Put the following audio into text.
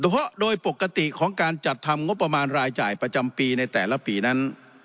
เพราะโดยปกติของการจัดทำงบประมาณรายจ่ายประจำปีในแต่ละปีนั้น